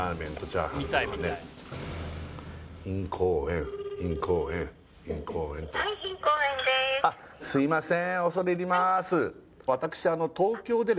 あのすいません